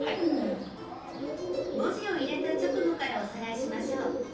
文字を入れた直後からおさらいしましょう。